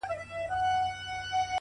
• مرور نصیب به هله ورپخلا سي,